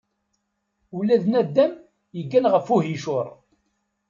Ula d nadam yeggan ɣef uhicur.